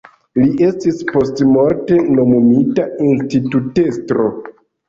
Li estis postmorte nomumita institutestro.